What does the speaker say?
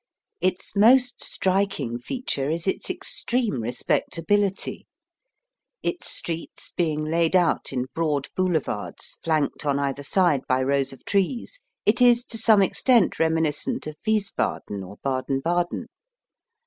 Its most striking feature is its extreme respectability. Its streets being laid out in broad boulevards, flanked on either side by rows of trees, it is to some extent remi niscent of Wiesbaden or Baden Baden.